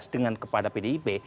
dengan kepada pdip